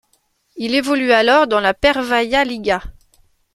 Il évolue alors dans la Pervaïa Liga.